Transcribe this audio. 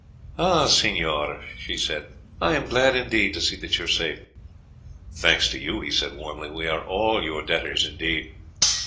"Ah, signor," she said, "I am glad indeed to see that you are safe." "Thanks to you," he said warmly; "we are all your debtors indeed."